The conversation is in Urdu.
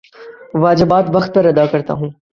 واجبات وقت پر ادا کرتا ہوں